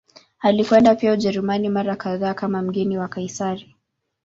Alikwenda pia Ujerumani mara kadhaa kama mgeni wa Kaisari.